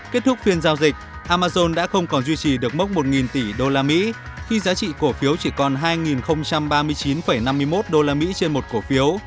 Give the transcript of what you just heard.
kết thúc phiên giao dịch amazon đã không còn duy trì được mốc một tỷ usd khi giá trị cổ phiếu chỉ còn hai ba mươi chín năm mươi một usd trên một cổ phiếu